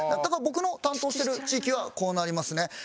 僕の担当してる地域はこうなりますね。